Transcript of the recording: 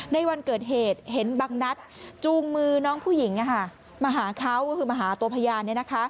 ในวันเกิดเหตุเห็นบางนัดจูงมือน้องผู้หญิงมาหาเขาก็คือมาหาตัวพยาน